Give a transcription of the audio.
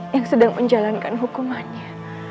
yang sedang menjalankan hukumannya